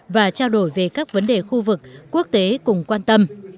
và trao đổi về các vấn đề khu vực quốc tế cùng quan tâm